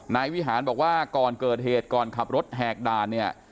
นายวิหารบอกว่าก่อนเกิดเหตุก่อนขับรถแหกด่านเนี่ย